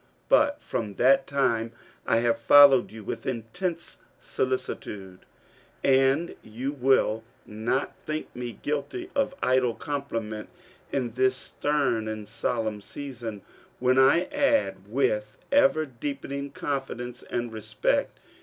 But from that time I have followed you with intense solicitude, — and you will not think me guilty of idle compliment, in this stem and solemn season, when I add, with ever deepening confidence and respect.